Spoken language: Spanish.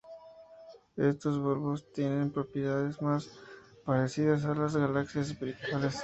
Estos bulbos tienen propiedades más parecidas a las de las galaxias espirales.